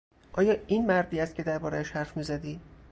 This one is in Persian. آیا این مردی است که دربارهاش حرف میزدی؟